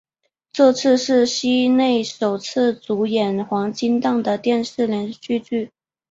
这次是西内首次主演黄金档的电视连续剧。